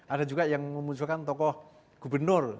ada juga yang memunculkan tokoh gubernur